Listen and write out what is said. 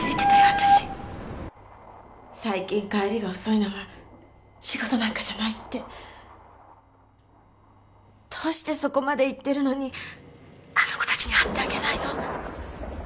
私最近帰りが遅いのは仕事なんかじゃないってどうしてそこまで行ってるのに☎あの子たちに会ってあげないの？